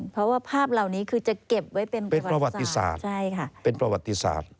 เพราะว่าภาพเหล่านี้คือจะเก็บไว้เป็นประวัติศาสตร์